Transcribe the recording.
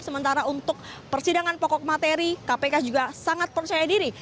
sementara untuk persidangan pokok materi kpk juga sangat percaya diri